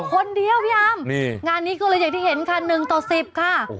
คนเดียวพี่อามงานนี้ก็เลยอย่างที่เห็นค่ะ๑ต่อ๑๐ค่ะ